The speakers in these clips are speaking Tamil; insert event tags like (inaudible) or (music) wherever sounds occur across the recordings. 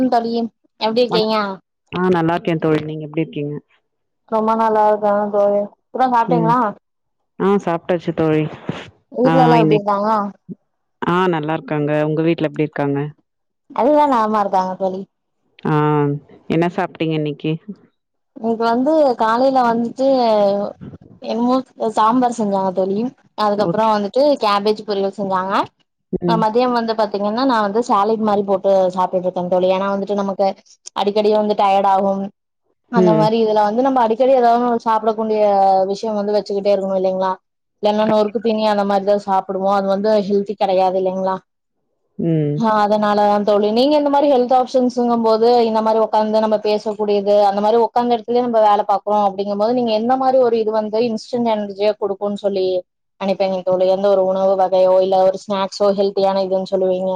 என்ன தோழி எப்டி வணக் இருக்கீங்கா ஆ நல்லா இருக்கே தோழி நீங்க எப்டி இருக்கீங்க ரொம்ப நல்லா இருக்கே தோழி இப்ப தா ம் சாப்ட்டீங்ளா ஆ சாப்ட்டாச்சு தோழி ஆ ஊர்ல எல்லா எப்டி இன்னைக் இருக்காங்க ஆ நல்லாருக்காங்க உங்க வீட்ல எப்டி இருக்காங்க அதுலா நலமா இருக்காங்க தோழி ஆ என்ன சாப்ட்டீங்க இன்னைக்கி இன்னிக்கு வந்து காலைல வந்த்ட்டு என்மோ வஸ் சாம்பார் செஞ்சாங்க தோழி அதுக்கப்றோ ஓகே வந்துட்டு கேபேஜ் பொரியல் செஞ்சாங்க அ ம் மதியம் வந்து பாத்தீங்கன்னா நா வந்து சாலிட் மாரி போட்டு சாப்ட்டுட்டு இருக்கே தோழி ஏனா வந்துட்டு நமக்கு அடிக்கடி வந்து டயர்ட் ஆகும் அந்த ம் மாரி இதுல வந்து நம்ம அடிக்கடி ஏதாவ் ஒரு சாப்டக்கூடிய விஷ்யோ வந்து வச்சுக்கிட்டே இருக்கணு இல்லைங்ளா இல்லன்னா நொறுக்குத்தீனி அந்த மாரிதா சாப்டுவோ அது வந்து ஹெல்தி கெடயாது இல்லைங்ளா ம் ஹா அதனால தா தோழி நீங்க இந்த மாரி ஹெல்த் ஆப்ஷன் இங்கும் போது இந்த மாரி உக்காந்து நம்ம பேசக்கூடியது இந்த மாரி உக்காந்த எடத்துலே நம்ப வேல பாக்குறோ அப்டிங்கும்போது நீங்க எந்த மாரி ஒரு இது வந்து இன்ஸ்டன்ட் எனர்ஜிய குடுக்குன் சொல்லி நெனைப்பீங்க தோழி எந்த ஒரு உணவு வகையோ இல்ல ஒரு ஸ்நாக்ஸோ ஹெல்த்தியான இதுன் சொல்லுவீங்க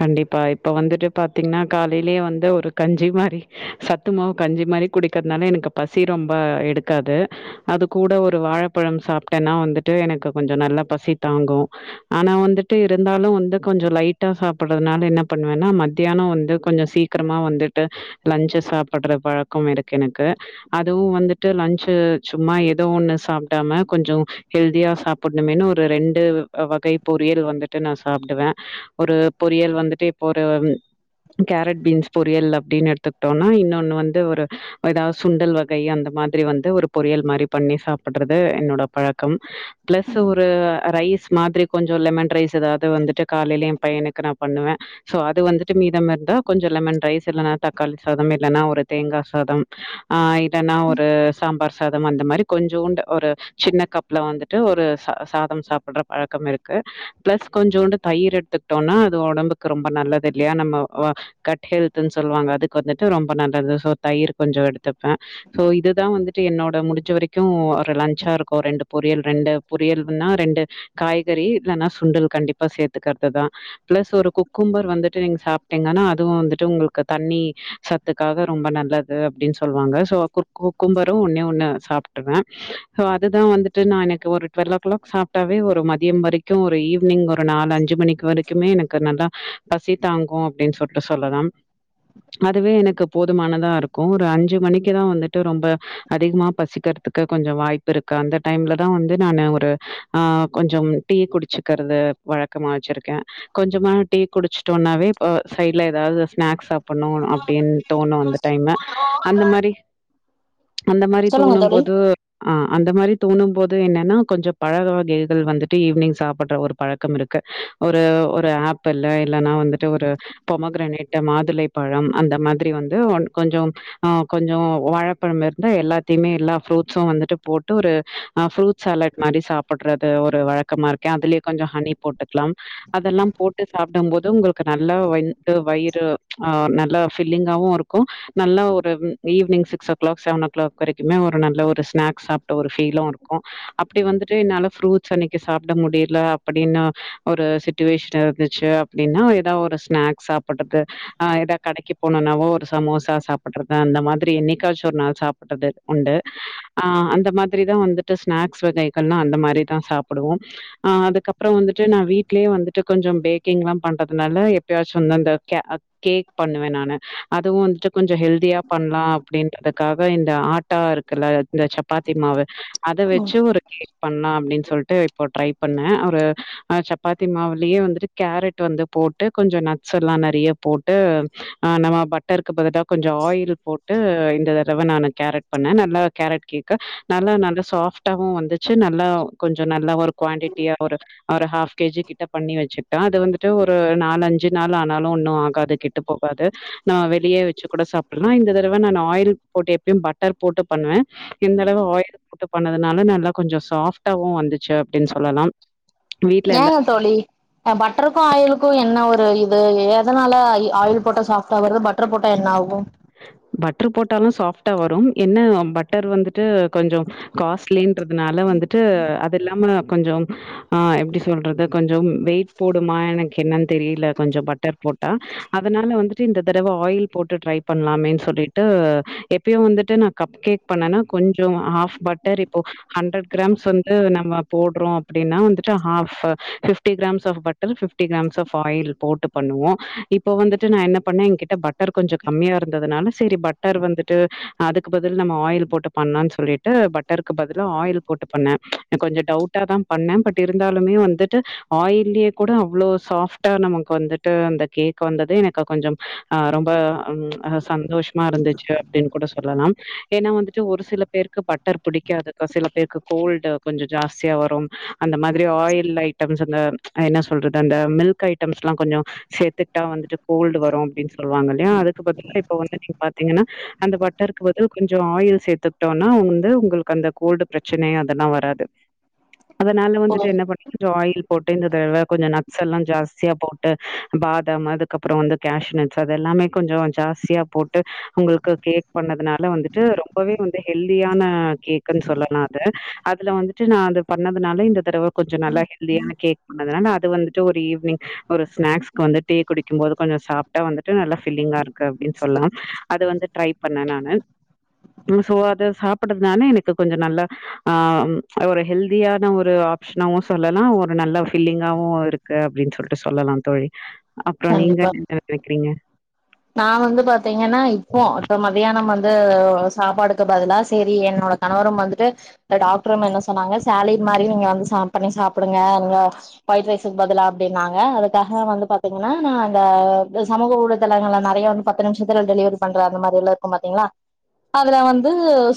கண்டிப்பா இப்ப வந்துட்டு பாத்தீங்ன்னா காலைலே வந்து ஒரு கஞ்சி மாரி சத் சத்து மாவு கஞ்சி மாரி குடிக்கிறனால எனக்கு பசி ரொம்ப எடுக்காது அது கூட ஒரு வாழப்பழம் சாப்ட்டேன்னா வந்துட்டு எனக்கு கொஞ்சோ நல்லா பசி தாங்கு ஆனா வந்துட்டு இருந்தாலு வந்து கொஞ்சோ லைட்டா சாப் பிடுறதுனால என்ன பண்ணுவேன்னா மத்தியானோ வந்து கொஞ்சோ சீக்கிரமா வந்துட்டு லஞ்ச்ச சாப்பிட்ற பழக்கம் இருக்கு எனக்கு அதுவு வந்துட்டு லன்ச்சு சும்மா ஏதோ ஒன்னு சாப்டாம கொஞ்சோ ஹெல்தியா சாப் புட்ணுமேனு ஒரு ரெண்டு வகை பொரியல் வந்துட்டு நா சாப்டுவே ஒரு பொறியல் வந்துட்டு இப்போ ஒரு கேரட் பீன்ஸ் பொரியல் அப்டினு எடுத்துக்ட்டோனா இன்னொன்னு வந்து ஒரு ஏதா சுண்டல் வகை அந்த மாதிரி வந்து ஒரு பொரியல் மாரி பண்ணி சாப்பிட்றது என்னோட பழக்கம் பிளஸ் ஒரு ரைஸ் மாதிரி கொஞ்சோ லெமன் ரைஸ் ஏதாது வந்துட்டு காலைல ஏ பையனுக் கு நா பண்ணுவே சோ அது வந்துட்டு மீதம் இர்ந்தா கொஞ்சோ லெமன் ரைஸ் இல்லனா தக்காளி சாதம் இல்லனா ஒரு தேங்கா சாதம் ஆ இல்லனா ஒரு சாம்பார் சாதம் அந்த மாரி கொஞ்சோண்டு ஒரு சின்ன கப்ல வந்துட்டு ஒரு ச சாதம் சாப்புட்ற பழக்கம் இருக்கு ப்ளஸ் கொஞ்சோண்டு தயிர் எட்த்துக்ட்டோன்னா அது ஒடம்புக்கு ரொம்ப நல்லது இல்யா நம்மோ வ கட்ஹெல்த்துன் சொல்வாங்க அதுக்கு வந்துட்டு ரொம்போ நல்லது சோ தயிர் கொஞ்சோ எடுத்துப்பே சோ இதுதா வந்துட்டு என்னோட முடிஞ்ச வரைக்கோ ஒரு லஞ்ச்சா இருக்கு ரெண்டு பொரியல் ரெண்டு பொரியல்னா ரெண்டு காய்கறி இல்லனா சுண்டல் கண்டிப்பா சேத்துக்கற்துதா ப்ளஸ் ஒரு குக்கும்பர் வந்துட்டு நீங் சாப்ட்டீங்கனா அதுவு வந்துட்டு உங்ளுக் தண்ணி சத் த்துக்காக ரொம்ப நல்லது அப்டின் சொல்லுவாங்க சோ குர் குக்கும்பரு ஒன்னே ஒன்னு சாப்ட்டுருங்க சோ அதுதா வந்துட்டு நா எனக்கு ஒரு டுவல்வ் ஓ கிளாக் சாப்ட்டாவே ஒரு மதியம் வரைக்கு ஒரு ஈவ் னிங் ஒரு நாலு அஞ்சு மணிக்கு வரைக்குமே எனக்கு நல்லா பசி தாங்கு அப்டின் சொல்ட்டு சொல்லலாம் அதுவே எனுக்கு போதுமானதா இருக்கு ஒரு அஞ்சு மணிக்குதா வந்துட்டு ரொம்ப அதிகமா பசிக்கிறதுக்கு கொஞ்ச வாய்ப்பு இருக்கு அந்த டைம்ல தா வந்து நானு ஒரு ஆ கொஞ்சம் டீ குடிச்சிக்கறது வழக்கமா வெச்சிருக்க கொஞ்சமா டீ குடிச்சிட்டோன்னாவே ஆ சைட்ல ஏதாவது ஸ்நாக்ஸ் சாப்டனு அப்டின் தோணு அந்த டைமு அந்த மாரி அந்த மாரி சொல்லுங்க தோணும் தோழி போது ஆ அந்த மாரி தோணும் போது என்னனா கொஞ்ச பழக வகைகள் வந்துட்டு ஈவ்னிங் சாப்புட்ற ஒரு பழக்கம் இருக்கு ஒரு ஒரு ஆப்பிள்லு இல்லனா வந்துட்டு ஒரு பொமொகிரானேட்டு மாதுளைப்பழம் அந்த மாத்ரி வந்து ஒன் கொஞ்சோ ஆ கொஞ்சோ வாழப்பழம் இருந்த எல்லாத்தியுமே எல்லா ஃப்ரூட்ஸு வந்துட்டு போட்டு ஒரு அ ஃப்ரூட் சாலட் மாரி சாப்பட்றது ஒரு வழக்கமா இருக்கே அதுலேயே கொஞ்சோ ஹனி போட்டுக்லாம் அதெல்லாம் போட்டு சாப்டும் போது உங்ளுக்கு நல்லா வய்த்து வயிறு ஆ நல்லா ஃபில்லிங்காவு இருக்கு நல்லா ஒரு ம் evening six o'clock seven o'clock வரைக்குமே ஒரு நல்ல ஒரு ஸ்நாக்ஸ் சாப்ட ஒரு ஃபீலு இருக்கு அப்டி வந்துடு என்னால ஃப்ரூட்ஸ் அன்னிக்கு சாப்ட முடில அப்டின ஒரு சி டிவேஷன் இருந்துச்சு அப்டினா ஏதாவ் ஒரு ஸ்நாக்ஸ் சாப்பட்றது ஆ எதாவ் கடைக்கி போனுன்னாவு ஒரு சமோசா சாப்புட்றது அந்த மாதிரி எண்ணிக்காச்சு ஒரு நாள் சாப்புட்றது உண்டு ஆ அந்த மாதிரிதா வந்துட்டு ஸ்நாக்ஸ் வகைகள்லா அந்த மாரிதா சாப்டுவோ ஆ அதுக்கப்றோ வந்துட்டு நா வீட்லயே வந்துட் டு கொஞ்சோ பேக்கிங்லா பண்றத்னால எப்யாச்சு அந்த கே க் பண்ணுவே நானு அதுவு வந்துட்டு கொஞ்சோ ஹெல்தியா பண்லா அப்டின்றதுக்காக இந்த ஆ ட்டா இருக்குல்ல இந்த சப்பாத்திமாவு அத ம் வெச்சு ஒரு கேக் பண்லா அப்டின் சொல்ட்டு இப்போ ட்ரை பண்ணே ஒரு சப்பாத்தி மாவு லியே வந்துட்டு கேரட் வந்து போட்டு கொஞ்ச நட்ஸ்ஸல்லா நெறய போட்டு ஆ நம்ம பட்டர்க்கு பதிலா கொஞ்சோ ஆயில் போட்டு இந்த தடவ நானு கேரட் பண்ணே நல்லா கேரட் கேக்கு நல்லா நல்ல சாப்ட்டாவு வந்துச்சு நல்லா கொஞ்சோ நல்ல ஒரு குவான்டிட் டியா ஒரு ஒரு ஹாஃப் கேஜி கிட்ட பண்ணி வெச்சுட்டோ அது வந்துட்டு ஒரு நாலு அஞ்சு நாளு ஆனாலு ஒன்னு ஆகாது கெட்டு போகாது நா வெளிய வெச்சு கூட சாப்புட்ற இந்த தடவ நா ஆயில் போட்டு எப்பியு பட்டர் போட்டு பண்ணுவே இந்தெடெவ ஆயில் போட்டு பண்ணதுனால நல்லா கொஞ்சோ சாஃப்டாவு வந்துச்சு அப்டின் சொல்லலா ஏங்க தோழி பட்ருக்கு ஆயிலுக்கு என்ன ஒரு இது எ தனால அயி ஆயில் போட்டா சாஃப்டா வருது பட்ரு போட்டா என்ன ஆகு பட்ரு போட்டாலு சாஃப்டா வரும் என்ன பட் பட்டர் வந்துட்டு கொஞ்சொ காஸ்ட்லின்றதுனால வந்துட்டு அது இல்லாம கொஞ்சொ ஆ எப்டி சொல்றது கொஞ்சொ வெயிட் போடுமா எனக்கு என்னன் தெரில கொஞ்ச பட்டர் போட் ட அதனால வந்துட்டு இந்த தடவ ஆயில் போட்டு ட்ரை பண்ணலாமே சொல்லிட்டு எப்பயு வந்துட்டு நா கப் கேக் பண்ணேனா கொஞ்சொ ஆஃப் பட் டர் இப்போ ஹண்ட்ரட் கிராம்ஸ் வந்து நம்ம போடுறோ அப்டினா வந்துட்டு half fifty grams of butter fifty grams of oil போட்டு பண்ணுவோ இப்ப வந்துட்டு நா என்ன பண்ண என்கிட்ட பட் டர் கொஞ்சோ கம்மியா இருந்ததுனால சரி பட்டர் வந்துட்டு அதுக்கு பதில் நம்ம ஆயில் போட்டு பண்லான்னு சொல்லி டு பட்டருக்கு பதிலா ஆயில் போட்டு பண்ணே கொஞ்ச டவுட்டா தா பண்ணே பட் இருந்தாலுமே வந்துட்டு ஆயில்யே கூட அவ்ளோ சாஃப்டா நமக்கு வந்துட்டு அந்த கேக் வந்தது எனக்கு கொஞ்சொ அ ரொம் ப ம் சந்தோஷமா இருந்துச்சு அப்டின்னு கூட சொல்லலா ஏனா வந்துட்டு ஒரு சில பேருக்கு பட்டர் புடிக்காது சில பேருக்கு கோல்டு கொஞ்ச ஜாஸ்தியா வரு அந்த மாரி ஆயில் ஐட்டம்ஸ் அந்த என்ன சொல்றது அந்த மில்க் ஐட்டம்ஸ்லா கொஞ்ச சேத்துகிட்டா வந்துட்டு கோல்டு வரு அப்டின்னு சொல்லுவாங்க இல்லயா அதுக்கு பதிலா இப்ப வந்து நீங்க பாத்தீங்கனா அந்த பட்டருக்கு பதில் கொஞ்ச ஆயில் சேத்துக்கிட்டோனா வந்து ஒங்களுக்கு அந்த கோல்டு பிரச்சனை அதெல்லா வராது அதனால ஓ வந்துட்டு என்ன பண்ண கொஞ்ச ஆயில் போட்டு இந்த தடவ கொஞ்ச நட்ஸ்லா ஜாஸ்தியா போட்டு பாதாம் அதுக்கப்பற வந்து கேஷ்னெட் அதெல்லாமே கொஞ்ச ஜாஸ்தியா போட்டு ஓங்ளுக்கு கேக் பண்ணதுனால வந்துட்டு ரொம்பவே வந்து ஹெல்தியான கேக்குன்னு சொல்லலா அத அதுல வந்துட்டு நா அது பண்ணதுனால இந்த தடவ கொஞ்ச நல்ல ஹெல்தியான கேக் அதனால அது வந்துட்டு ஒரு ஈவினிங் ஒரு ஸ்நாக்கு வந்து டீ குடிக்குபோது கொஞ்ச சாப்ட் வந்துட்டு நல்ல ஃபில்லிங்கா இருக்கு அப்டின்னு சொல்லலா அது வந்து ட்ரை பண்ணே நானு சோ அத சாப்படுது தானே எனக்கு கொஞ்ச நல்லா ஆ ஒரு ஹெல்தியான ஒரு டிஷ்னாவு சொல்லலா ஒரு நல்ல ஃபில்லிங்காவு இருக்கு அப்டின்னு சொல்லிட்டு சொல்லலா தோழி அப்பற நீங்க கண்டிப்பா என்ன கேக்குறீங்க நா வந்து பாத்தீங்கனா இப்போ மதியானம் வந்து சாப்பாடுக்கு பதிலா சேரி என்னோட கணவரும் வந்துட்டு இந்த டாக்டரம்மா என்ன சொன்னாங்க சேலிட் மாரி நீங்க வந்து சா பண்ணி சாப்டுங்க நீங்க ஒயிட் ரைஸுக்கு பதிலா அப்டின்னாங்க அதுக்காக வந்து பாத்தீங்கனா நா அந்த சமூக ஊட தலங்கல்ல நெறைய வந்து பத்து நிமிஷத்துல டெலிவரி பண்ற அந்த மாதிரில்லா இருக்கு பாத்தீங்ளா அதுல வந்து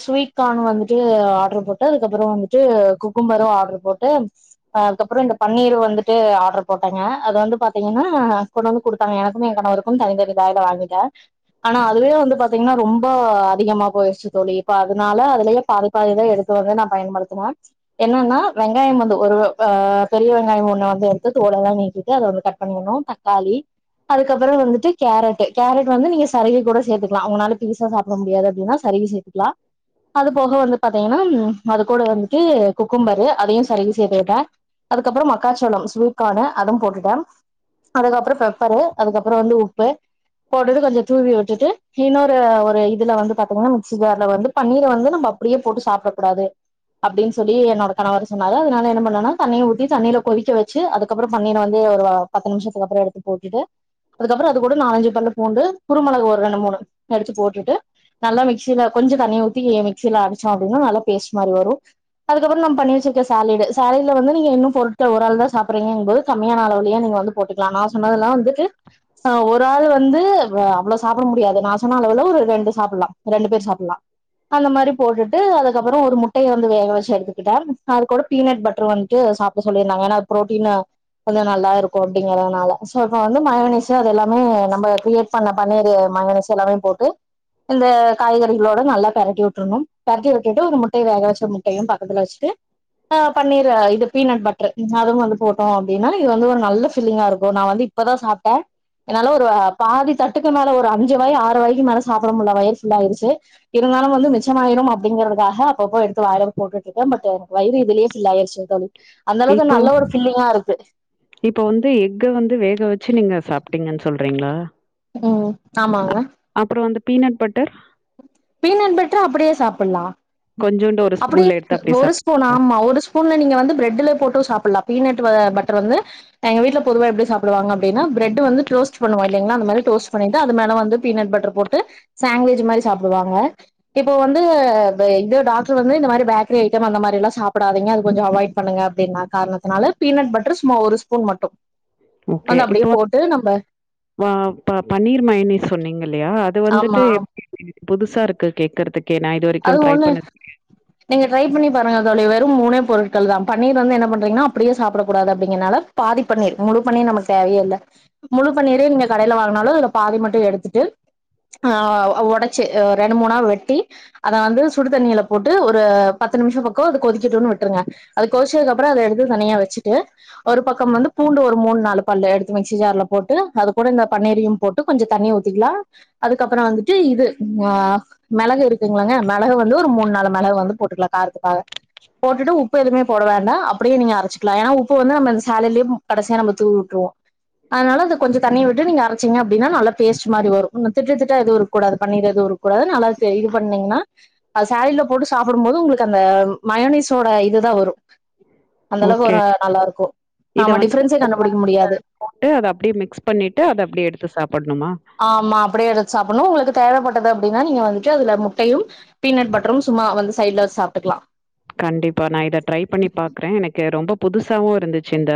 ஸ்வீட் கான் வந்துட்டு ஆடரு போட்டு அதுக்கப்பற வந்துட்டு குக்கும்பரூ ஆடரு போட்டு (unintelligible) அதுக்கப்பற இந்த பனீர் வந்துட்டு ஆடர் போட்டங்க அது வந்து பாத்தீங்கனா கொண்டு வந்து குடுத்தாங்க எனக்கு ஏ கணவருக் கூ தனி தனி பேடா வாங்கிட்டே ஆனா அதுவே வந்து பாத்தீங்கனா ரொம்ப அதிகமா போய்ச்சி தோழி இப்ப அதனால வெளியே பாதி பாதிதா எடுத்து அத பயன்படுத்துனே என்னன்னா வெங்காய வந்து ஒரு ஆ பெரிய வெங்காய ஒன்ன வந்து எடுத்து தோல்ல நீக்கிட்டு அத வந்து கட் பன்னனு தக்காளி அதுக்கப்ற வந்து கேரட் கேரட் வந்து நீங்க சருவி கூட சேத்துகலா உங்களால பெருசா சாப்ட முடியாது அப்டினா சருவி சேத்துக்கலா அது போக வந்து பாத்தீங்கனா அது கூட வந்துட்டு குக்கும்பரு அதயு சருவி சேத்துகிட்டே அதுக்கப்பற மக்காசோள ஸ்வீட் கானு அதும் போட்டுட்டோ அதுக்கப்பற பெப்பரு அதுக்கப்பற வந்து உப்பு பவுடரு கொஞ்ச தூவி உட்டுட்டு இன்னொரு ஒரு இதுல வந்து பாத்தீங்கனா மிக்சி ஜார்ல வந்து பனீர் வந்து நம்ம அப்டியே போட்டு சாப்டக் கூடாது அப்டின்னு சொல்லி என்னோட கணவர் சொன்னாரு அதனால என்ன பண்ணனா தண்ணிய ஊத்தி தண்ணில கொதிக்க வச்சு அத அப்பற பனீர் வந்து ஒரு பத்து நிமிஷத்துக்கப்பற எடுத்து போட்டுட்டு அதுக்கப்புறோ அது கூட நாலஞ்சு பல்லு பூண்டு குருமிளகு ஒரு ரெண்டு மூணு எடுத்து போட்டுட்டு நல்லா மிக்சில கொஞ்ச தண்ணி ஊத்தி மிக்சில அடிச்சொ அப்டினா நல்லா பேஸ்ட் மாரி வரு அதுக்கப்புற நா பண்ணி வச்சிருக்க சாலேடு சாலேடுல வந்து நீங்க இன்னும் பொருட்கள்ல ஒரு ஆள் த சாப்படுங்கபது கம்மியான அளவுய நீங்க வந்து போட்டுக்கலா நா சொன்னதெல்லா வந்துட்டு சோ ஒரு ஆள் வந்து அவ்வளவு சாப்பிட முடியாது நா சொன்னா அளவுல ஒரு ரெண்டு சாப்பிடலா ஒரு ரெண்டு பேர் சாப்பிடலா அந்த மாரி போட்டு அதுக்கப்புற ஒரு முட்டைய வந்து வேக வச்சு எடுத்துக்கிட்ட அது கூட பீனட் பட்டர் வந்துட்டு சாப் சொல்லிருந்தாங்க ஏன்னா ப்ரோட்டீன் வந்து நல்லா இருக்கு அப்டிங்கறதுனால வந்து ம (unintelligible) அது எல்லாமே நம்ம கிரியேட் பண்ண பன்னிரு மயோனசு எல்லாமே போட்டு இந்த காய்கறிகளோட நல்லா பெரட்டி விட்டுணுபெரட்டி விட்டுட்டு ஒரு முட்டை வேக வச்சு ம் எல்லா பக்கத்துல வச்சுட்டு ஆ பன்னீர இது பீனட் பட்டர் அதுவு வந்து போட்டோ அப்டின்னா இது வந்து ஒரு நல்ல ஃப்ல்லிங்கா இருக்கு நா வந்து இப்பதா சாப்ட்டே என்னால ஒரு பாதி தட்டுக்கு மேல ஒரு அஞ்சு வாய் ஆறு வாய்க்கு மேலே சாப்பிட முடியல வயிர்ஃபுல் ஆயிருச்சு இருந்தாலு வந்து மிச்சமாயிரு அப்டிங்கறதுக்காக அப்போ அப்போ எடுத்து வாயில போட்டுட்ருக்கே பட் என வயிறு இதுலயே ஃபில் ஆயிருச்சு த தோழி அந்த அளவுக்கு நல்ல ஒரு ஃபில்லிங்கா இருக்கு இப்ப வந்து எக்க வந்து வேக வச்சு நீங்க சாப்பிட்டீங்கன்னு சொல்றீங்களா உ ஆமாங்க அப்புற வந்து பீனட் பட்டர் பீனட் பட்டர அப்டியே சாப்பில்லா கொஞ்சோண்டோர் அப்டி இருக்கு ஒரு சோ ஸ்பூன் ஆமா ஒரு ஸ்பூன்ல நீங்க வந்து பிரெட்டுல போட்டு சாப்பிட்லா பீனட் பட்டர் வந்து எங்க வீட்ல பொதுவா எப்டி சாப்பிடுவாங்க அப்டின்னா பிரட் வந்து டோஸ்ட் பன்னுவோ இல்லைங்களா அந்த மாரி டோஸ்ட் பண்ணிட்டு அது மேல வந்து பீனட் பட்டர் போட்டு சாண்ட்விஜ் மாரி சாப்பிடுவாங்க இப்போ வந்து இது டாக் வந்து இந்த மாரி பேக்கரி ஐட்டம் அந்த மாரிலா சாப்பிடாதங்க அது கொஞ்ச அவாய்ட் பண்ணுங்க அப்டின் காரணத்துனால பீனட் பட்டர் ஸும்மா ஒருஸ்ப் ஸ்பூன் மட்டு ஓகே. வந்து அப்டியே இப்போ போட்டு நம்ம வ ப பன்னீர் மயனைஸ் சொன்னீங்கலயா அது வந்துட்டு ஆமா எப்டி புதுசா இருக்கு கேக்குறதுக்கே நா இது வரைக்கு அது ட்ரை ஒண்ணு பண்ணது நீங்க ட்ரை பண்ணி பாருங்க தோழி வெறு மூனே பொருட்கள் தா பன்னீர் வந்து என்ன பண்ரீங்கன்னா அப்டியே சாப்பிடக் கூடாது அப்டிங்கனால பாதிப்பண்ணீர் முழு பன்னீர் நமக் தேவயே இல்ல முழு பண்ணீரே நீங்க கடயில வாங்கினாலு அதுல பாதி மட்டு எடுத்துட்டு அ ஒடச்சு ரெண்டு மூணாவ வெட்டி அத வந்து சுடுதண்ணில போட்டு டு ஒரு பத்து நிமிஷோ பக்கோ கொதிக்கட்டுனு விட்ருங்க அது கொதிச்சதுக்கப்புற அத எடுத்து தனியா வச்சுட்டு ஒரு பக்கம் வந்து பூண்டு ஒரு மூணு நாலு பல் எடுத்து மிக்சி ஜார்ல போட்டு அது கூட இந்த பன்னீரயு போட்டு கொஞ்ச தண்ணிய ஊத்திக்கலா அதுக்கப்புற வந்துட்டு இது ஆ மெளகு இருக்குங்களா மெளகு வந்து ஒரு மூணு நாள் மெளகு வந்து போட்டுக்கலா காரத்துக்காக போட்டுட்டு உப்பு எதுவுமே போட வேண்டா அப்டியே நீங்க அரச்சிகலா ஏன்னா உப்பு வந்து நம்மந்த சாலல்லய கடைசியா நம்ம தூவி விட்ருவோ அதனால அது கொஞ்ச தண்ணி விட்டு நீங்க அரைச்சிங்க அப்டின்னா நல்ல பேஸ்ட் மாரி வரு திட்டு திட்டா எது இருக்க கூடாது பண்ணிரது இரு கூடாது நல்லா (unintelligible) இது பண்ணீங்கன்னா ஸேலிலோ போட்டு சாப்பிடும்போது உங்களுக்கு அந்த மயனைஸோட இதுதா வரு அந்த அளவுக்கு ஓகே. ஒரு நல்லா இருக்கு இத நாம வந்து டிஃப்ரன்ஸே கண்டுபிடிக்க முடியாது போட்டு அத அப்டியே மிக்ஸ் பண்ணிட்டு அத அப்டியே எடுத்து சாப்பிடணுமா ஆமா அப்டியே எடுத்து சாப்பிடணு உங்களுக்கு தேவைப்பட்டது அப்டின்னா நீங்க வந்துட்டு அதுல முட்டையு பீனட் பட்டரு சும்மா வந்து சைடுல வச்சு சாப்ட்டுக்கலா கண்டிப்பா நா இத ட்ரை பண்ணி பாக்குறே எனக்கு ரொம்ப புதுசாவு இருந்துச்சு இந்த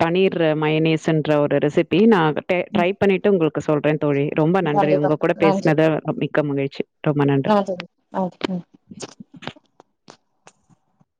பன்னீர் மயனீஸ்ன்ற ஒரு ரெசிபி நா ட்ரை பண்ணிட்டு உங்களுக்கு சொல்றே தோழி ரொம்ப நன்றி கண்டிப்பா உங்க கூட பேசினத மிக்க மகிழ்ச்சி ரொம்ப நன்றி ஆ தோழி ஆ ஆ